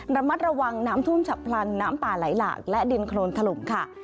ระมัดระวังน้ำท่วมฉับพลันน้ำป่าไหลหลากและดินโครนถล่มค่ะ